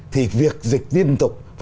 thì việc dịch tiên tục